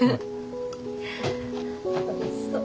おいしそう。